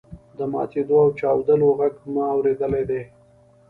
د ماتیدو او چاودلو غږ مو اوریدلی دی.